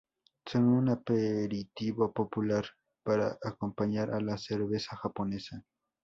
Son un aperitivo popular para acompañar a la cerveza japonesa.